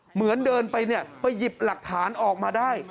เหมือนเดินไปเนี่ยไปหยิบหลักฐานออกมาได้